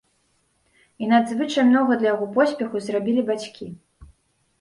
І надзвычай многа для яго поспеху зрабілі бацькі.